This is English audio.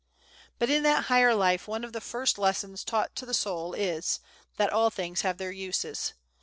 But in that higher life one of the first lessons taught to the soul is, that all things have their uses.